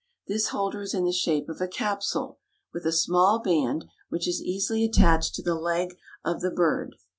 This holder is in the shape of a capsule, with a small band which is easily attached to the leg of the bird.